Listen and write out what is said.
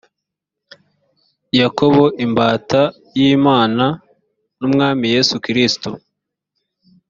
yakobo imbata y imana n umwami yesu kristo